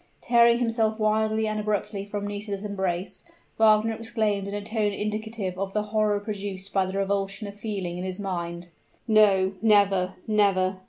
Tearing himself wildly and abruptly from Nisida's embrace, Wagner exclaimed in a tone indicative of the horror produced by the revulsion of feeling in his mind, "No never never!"